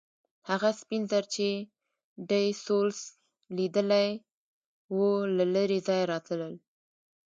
هغه سپین زر چې ډي سولس لیدلي وو له لرې ځایه راتلل.